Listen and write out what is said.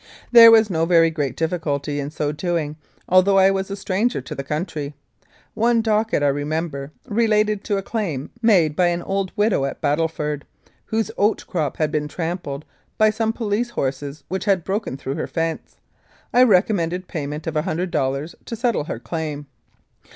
There was no very great difficulty in so doing, although I was a stranger to the country. One docket, I remember, related to a claim made by an old widow at Battleford, whose oat crop had been trampled by some police horses which had broken through her fence. I recommended payment of a hundred dollars to settle her claim.